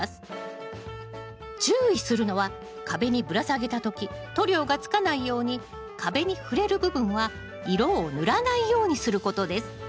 注意するのは壁にぶら下げた時塗料がつかないように壁に触れる部分は色を塗らないようにすることです